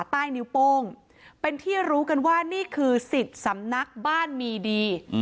ใต้นิ้วโป้งเป็นที่รู้กันว่านี่คือสิทธิ์สำนักบ้านมีดี